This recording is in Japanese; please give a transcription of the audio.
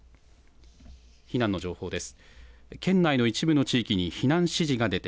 避難の情報です。